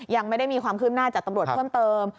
ยังไม่ได้มีความคืบหน้าจากตำรวจเพิ่มเติม